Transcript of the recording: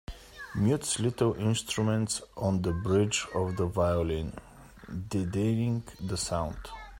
Mutes little instruments on the bridge of the violin, deadening the sound.